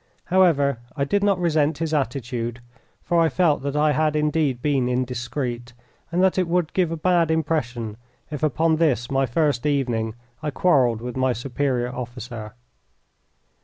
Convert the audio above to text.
However, I did not resent his attitude, for I felt that I had indeed been indiscreet, and that it would give a bad impression if upon this my first evening I quarrelled with my superior officer.